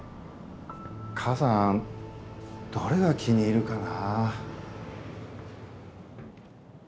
母さんどれが気に入るかな。